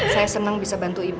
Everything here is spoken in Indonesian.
saya senang bisa bantu ibu